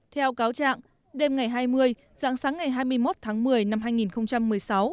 theo cáo trạng đêm ngày hai mươi dạng sáng ngày hai mươi một tháng một mươi năm hai nghìn một mươi sáu